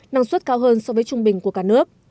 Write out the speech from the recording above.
năng suất cao hơn so với trung bình của cả nước